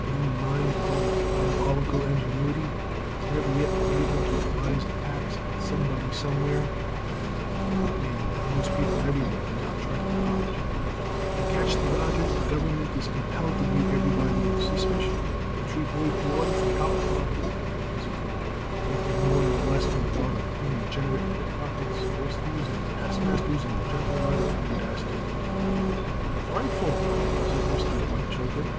The human mind with all its diabolical ingenuity has never yet been able to devise a tax that somebody somewhere nay, that most people everywhere did not try to dodge, and to catch the dodgers the government is compelled to view everybody with suspicion, and treat hoi polloi from top to bottom as if they were nothing more nor less than a lot of unregenerate pickpockets, horse thieves, and pastmasters in the gentle art of mendacity." "Frightful!" said Mr. Whitechoker.